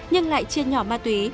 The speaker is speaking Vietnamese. nhưng lại chiên nhỏ ma túy